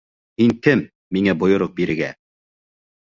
Һин кем миңә бойороҡ бирергә?